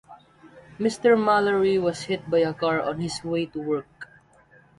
Mr. Mallory was hit by a car on his way to work.